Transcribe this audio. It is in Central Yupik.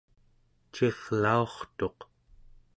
cirlaurtuq